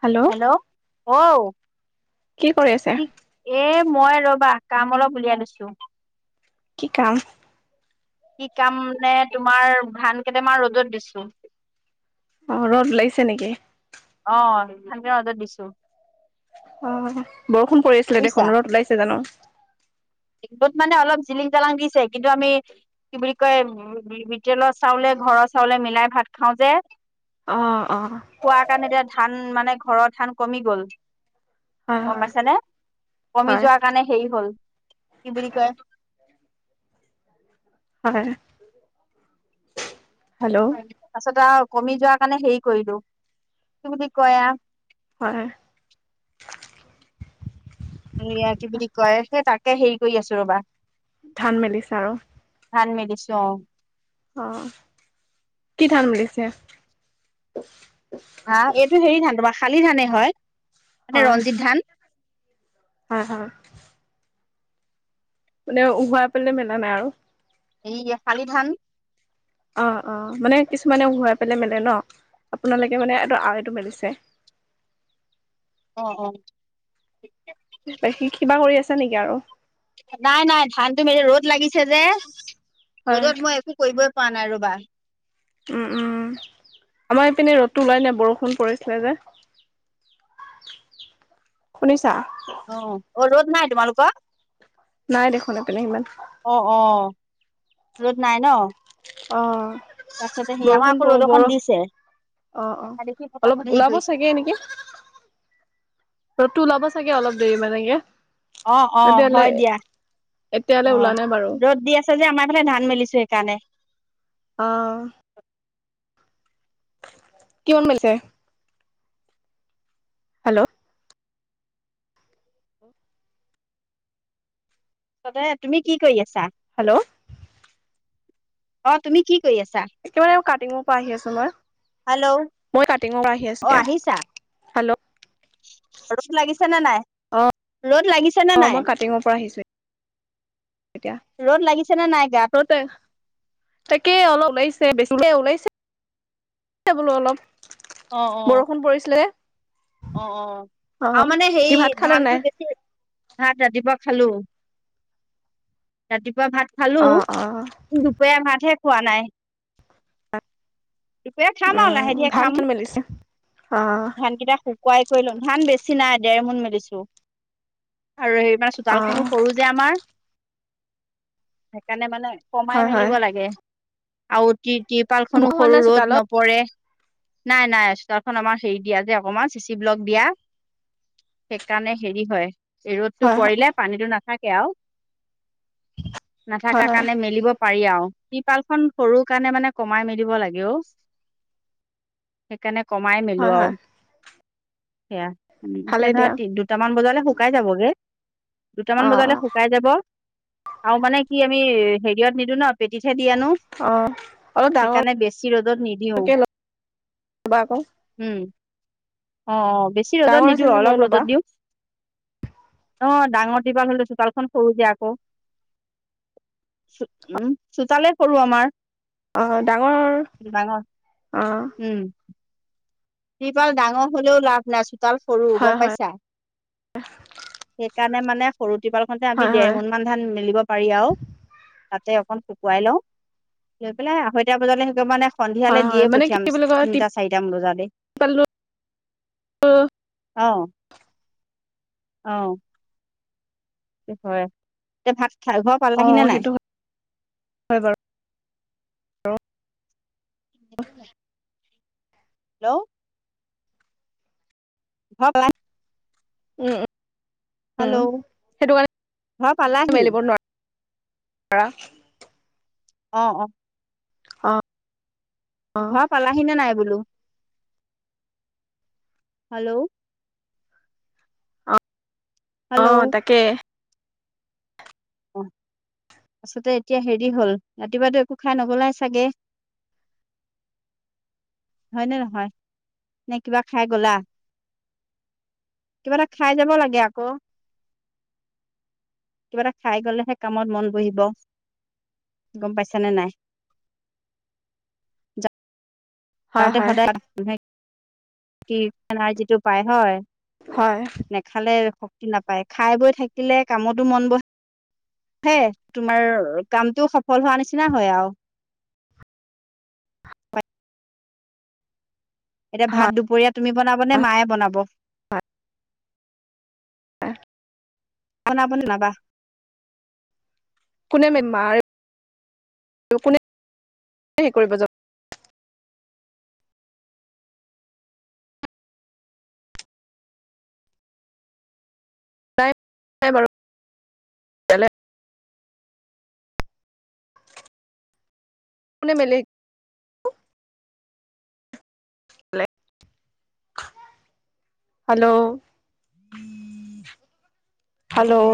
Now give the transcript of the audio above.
Hello. ঔ কি কৰি আছে কি এ মই ৰ'বা কাম অলপ উলিয়াই লৈছিলোঁ। কি কাম? কি কাম মানে তোমাৰ ধান কেইটামান ৰ'দত দিছোঁ। অ' ৰ'দ ওলাইছে নেকি? অ' সেইখনকে ৰ'দত দিছো। অ' বৰষুণ পৰি আছিলে বুজিছা দেখোন, ৰ'দ ওলাইছে জানো? মানে অলপ জিলিং জালাং দিছে। কিন্তু আমি কি বুলি কয়, উম বিপিএলৰ চাউলে ঘৰৰ চাউলে মিলাই ভাত খাওঁ যে অ অ খোৱা কাৰণে এতিয়া ধান মানে, ঘৰৰ ধান কমি গ'ল। হয় গম হয় পাইছা নে কমি হয় যোৱাৰ কাৰণে হেৰি হ'ল। কি বুলি কয়? হয়। হেল্ল' তাছত আৰু কমি যোৱাৰ কাৰণে হেৰি কৰিলো, কি বুলি কয় আ হয়। [unintelligible] কি বুলি কয় সেই তাকে হেৰি কৰি আছো ৰবা। ধান মেলিছে আৰু। ধান মেলিচিছো অ' [unintelligible] অ [unintelligible] কি ধান মেলিছে? আহ এইটো হেৰি ধান তোমাৰ শালি ধানে হয় । মানে হয় ৰঞ্জিত ধান হয় হয়। মানে উহাই পেলে মেলা নাই আৰু এই [unintelligible] শালি ধান অ' অ' মানে কিছুমানে ঘৰাই পেলাই মেলে ন? আপোনালোকে মানে এইটো আইটো মেলিছে। অ'-অ' [inaudible] [unintelligible] সি কিবা কৰি আছা নেকি আৰু। নাই-নাই ধানটো মেলি ৰ'দ লাগিছে যে। হয় ৰ'দত মই একো কৰিব [unintelligible] পোৱা নাই ৰবা। উম-উম আমাৰ ইপিনে ৰদটো ওলাই নাই। বৰষুণ পৰিছিলে যে। শুনিছা? অ' ৰ'দ নাই তোমালোকৰ? নাই দেখোন এপিনে সিমান। অ অ ৰ'দ নাই ন? অ' তাৰপিছতে সি আমাৰ বৰষুণ আকৌ প ৰ'দ বৰ অকন দিছে। অ' অ' দেখি অলপ ফটাফট হেৰি ওলাব কৰিছো চাগে নেকি! ৰ'দটো ওলাব। চাগে অলপ দেৰি মানে কে। অ'-অ' হয় দিয়া। এতিয়ালৈ ওলা অ' নাই বাৰু ৰ'দ দি আছে যে আমাৰ ফালে ধান মেলিছো সেইকাৰণে। আহ কিমান মেলিছে? হেল্ল' তাতে তুমি কি কৰি আছা? হেল্ল' অ' তুমি কি? কৰি আছা একেবাৰে কাটিঙৰ পৰা আহি আছো মই। হেল্ল' মই কাটিঙৰ পৰা আহি অ আছো দিয়া। আহিছা হেল্ল' ৰদ লাগিছে নে নাই। অ ৰ'দ লাগিছে নে অ মই নাই? কাটিঙৰ পৰা আহিছো এতিয়া ৰ'দ লাগিছে নে নাই গাত ৰতে তাকে অলপ ওলাইছ। [unintelligible] ওলাইছে এ বোলো অলপ অ অ বৰষুণ পৰিছিলে। অ' অ' আউ অ মানে সেই কি ভাত খালে ধানটো নাই বেছি। ভাত ৰাতিপুৱা খালো। ৰাতিপুৱা [unintelligible] ৰাতিপুৱা ভাত খালো। অ অ দুপৰীয়া ভাতহে খোৱা নাই। [unintelligible] খাম আৰু উম লাহে ধিৰে ধান খাম কিমান মেলিছে অ ধানকেইটা খু [unintelligible] কুুৱাই কৰি লন বেছি নাই দেৰ মন মেলিছো। আৰু সে মানে অ চোতালখনো সৰু যে আমাৰ, সেইকাৰণে মানে কমাই হয় হয় মেলিব লাগে আৰু তি-তিৰপালখনো বোকা হোৱা সৰু নাই ৰ'দ চোতালত নপৰে। নাই-নাই চোতালখন আমাৰ হেৰি দিয়া যে অকণমান [unintelligible] তিব্লক দিয়া সেইকাৰণে হেৰি হয় ৰ'দটো হয় হয় পৰিলে পানীটো নাথাকে। কে আও হয় নাথাকা হয় কাণে মেলিব পাৰি আউ ট্ৰিপালখন সৰু কাৰণে মানে কমাই মেলিব লাগে অ সেইকাৰণে কমাই মিলো হয় হয় আৰু সেয়া। এতিয়া ভালেই দিয়া ধৰা দুটামান বজালে শুকাই যাবগে দুটামান অ বজালে শুকাই যাব আৰু মানে কি আমি হেৰিয়ত নিদো ন। পেটিত হে দি আনো অ অলপ ডাঙৰকে সেইকাৰণে বেছি ৰ'দত নিদিওঁ। থবা ক অ অ বেছি ৰ'দত নিদিওঁ যে লৈ অলপ ৰ'দত ল'বা দিওঁ অ ডাঙৰ তিপাল হ'লে চোতালখন সৰু যে আকৌ উম চোতালে সৰু আমাৰ। অ ডাঙৰ ডাঙৰ অ উম! তিপাল ডাঙৰ হলেও লাভ নাই চোতাল সৰু গম হয় হয় পাইছা সেইকা কানে মানে সৰুটিপালখনতে আমি হয় দেৰ হয় মোন মান ধান মেলিব পাৰি আৰু তাতে অকণ শুকুৱাই লওঁ লৈ পেলাই আঢ়ৈটা বজালে সেটো মানে হয় সন্ধিয়ালৈ হয় দিয়ে মানে কি পঠিয়াম বুলি কয় তিনটা চাৰিটামান বজালে টিপালো অঁ অহ এটো হয় এতিয়া ভাত খাই ঘৰ অ পালাহি নে নাই? সেইটো হয় বাৰু উম হেল্ল' [unintelligible] উম উম হেল্ল' সেইটো কাৰণে ঘৰ পালাহি মেলিব [unintelligible] অ অ অ অ ঘৰ পালাহি নে নাই বোলো? হেল্ল' [unintelligible] অ হেল্ল' তাকে অ আছতে এতিয়া হেৰি হল ৰাতিপুৱাতো একো খাই নগলাই চাগে হয়নে নহয় নে কিবা খাই গলা কিবা এটা খাই যাব লাগে আকৌ কিবা এটা খাই গলেহে কামত মন বহিব। গম পাইছা নে নাই? হয় যাওঁতে হয় সদায় মানুহে কি যিটো পায় হয় হয় নেখালে শক্তি নাপায় খাই বৈ থাকিলে কামতো মন বহে। হে তোমাৰ কামটো সফল হোৱা নিচিনা হয় আৰু। এতিয়া ভাত দুপৰীয়া তুমি বনাব নে মায়ে বনাব হয়। [unintelligible] বনাব বা নাবা [unintelligible] কোনে বেমাৰ কোনে কৰিব য [unintelligible] হয় বাৰু ইয়ালে কোনে মেলে হেল্ল' হেল্ল'